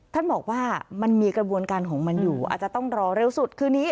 ท่านบอกว่ามันมีกระบวนการของมันอยู่อาจจะต้องรอเร็วสุดคืนนี้